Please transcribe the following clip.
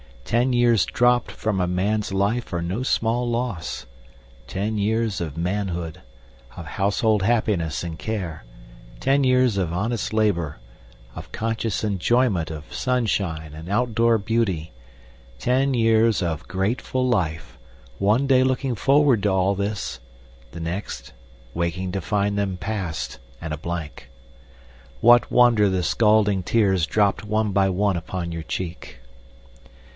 Ten years dropped from a man's life are no small loss; ten years of manhood, of household happiness and care; ten years of honest labor, of conscious enjoyment of sunshine and outdoor beauty, ten years of grateful life one day looking forward to all this; the next, waking to find them passed and a blank. What wonder the scalding tears dropped one by one upon your cheek!